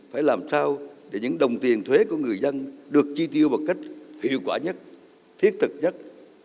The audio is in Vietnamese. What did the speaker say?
phải làm sao để những đồng tiền thuế của người dân được chi tiêu bằng cách hiệu quả nhất thiết thực nhất